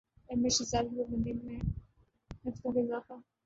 احمد شہزاد کی پابندی میں ہفتوں کا اضافہ